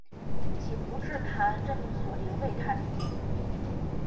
乞伏炽磐任命索棱为太傅。